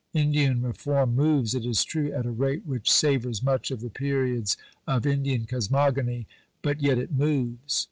Indian reform moves, it is true, at a rate which "savours much of the periods of Indian cosmogony"; but yet it moves.